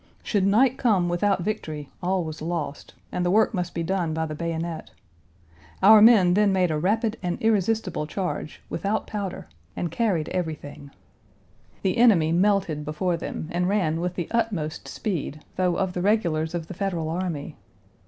Should night come without victory all was lost, and the work must be done by the bayonet. Our men then made a rapid and irresistible charge, without powder, and carried everything. The enemy Page 198 melted before them, and ran with the utmost speed, though of the regulars of the Federal army.